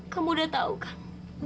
kamu sudah tahu kan